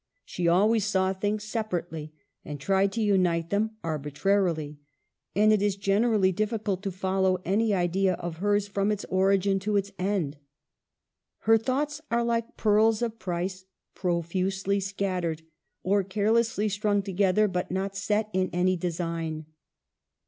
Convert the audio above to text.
She always saw things separately, and tried to unite them arbitrarily, and it is generally difficult to follow out any idea of hers from its origin to its end. Her thoughts are like pearls of price profusely scattered, or carelessly strung together, but not set in any design.